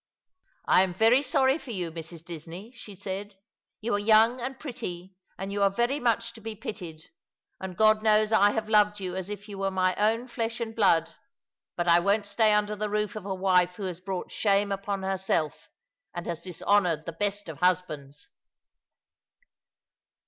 " I am very sorry for you, Mrs. Disney," she said. " You are young and pretty, and you are very much to be pitied — and God knows I have loved you as if you were my own flesh and blood. But I won't stay under the roof of a wife who has brought shame upon herself and has dishonoured the best of husbands."